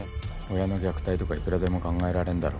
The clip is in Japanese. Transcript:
親の虐待とかいくらでも考えられんだろ。